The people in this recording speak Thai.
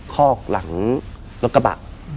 คอกหลังรถกระบะ